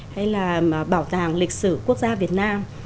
hay là bảo tàng lịch sử quốc gia việt nam